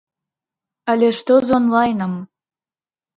Але што з онлайнам?